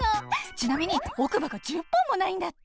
ちなみに奥歯が１０本もないんだって！